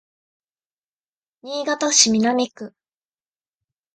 新潟市南区